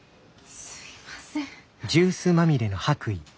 すいません。